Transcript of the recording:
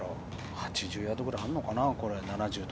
８０ヤードぐらいあるのかな。